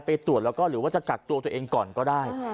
ไปตรวจแล้วก็หรือว่าจะกักตัวตัวเองก่อนก็ได้